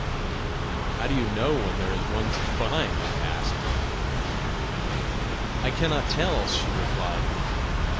"How do you know when there is one to find?" I asked. "I cannot tell," she replied.